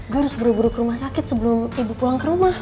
gue harus buru buru ke rumah sakit sebelum ibu pulang ke rumah